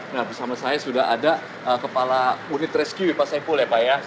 nah bersama saya sudah ada kepala unit rescue bipasai pole pak ya